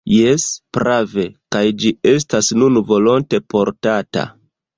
Jes, prave, kaj ĝi estas nun volonte portata.